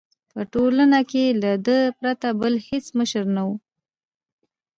په ټولنه کې له ده پرته بل هېڅ مشر نه وو.